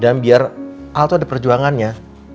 dan biar al tuh ada perjuangannya